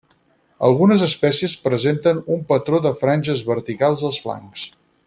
Algunes espècies presenten un patró de franges verticals als flancs.